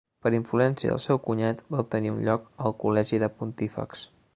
Per influència del seu cunyat va obtenir un lloc al col·legi de Pontífexs.